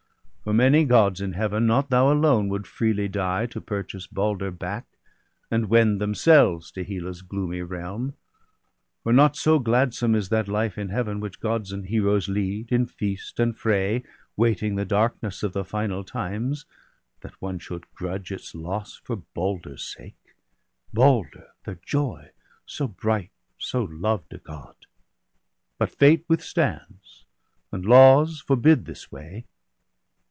For many Gods in Heaven, not thou alone. Would freely die to purchase Balder back, And wend themselves to Hela's gloomy realm. For not so gladsome is that life in Heaven Which Gods and heroes lead, in feast and fray, Waiting the darkness of the final times. That one should grudge its loss for Balder's sake, Balder their joy, so bright, so loved a God. But fate withstands, and laws forbid this way.